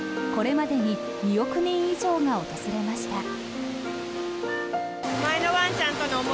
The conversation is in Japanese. これまでに２億人以上が訪れました。